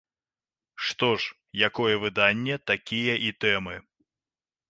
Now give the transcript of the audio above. Што ж, якое выданне, такія і тэмы.